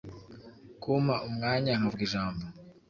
kumpa umwanya nkavuga ijambo